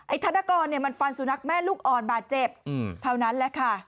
ธนกรเนี่ยมันฟันสุนัขแม่ลูกอ่อนบาดเจ็บเท่านั้นแหละค่ะ